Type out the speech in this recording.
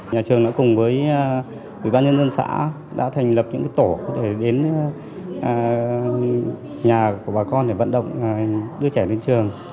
nhà trường đã cùng với ủy ban nhân dân xã đã thành lập những tổ để đến nhà của bà con để vận động đưa trẻ đến trường